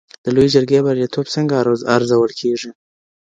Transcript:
د لویې جرګي بریالیتوب څنګه ارزول کیږي؟